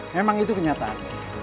memang itu kenyataan